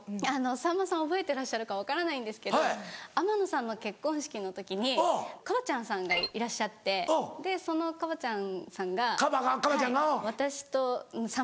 さんまさん覚えてらっしゃるか分からないんですけど天野さんの結婚式の時にＫＡＢＡ．ちゃんさんがいらっしゃってそのＫＡＢＡ．ちゃんさんが。ＫＡＢＡ．ちゃんがうん。